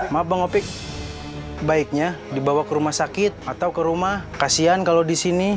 maaf bang opik baiknya dibawa ke rumah sakit atau ke rumah kasian kalau di sini